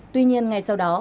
tuy nhiên ngày sau đó